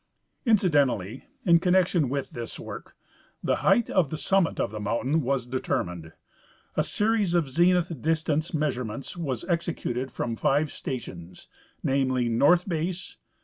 Incidentally in connection Avith this work, the height of the summit of the mountain Avas determined. A series of zenith distance measurements Avas executed from tive stations, namely : North base.